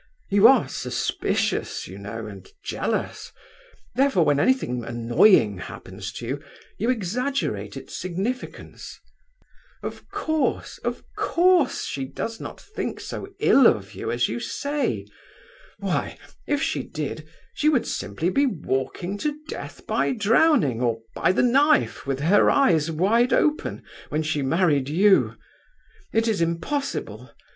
You are suspicious, you know, and jealous, therefore when anything annoying happens to you, you exaggerate its significance. Of course, of course, she does not think so ill of you as you say. Why, if she did, she would simply be walking to death by drowning or by the knife, with her eyes wide open, when she married you. It is impossible!